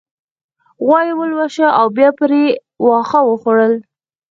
غوا يې ولوشله او بيا يې پرې واښه وخوړل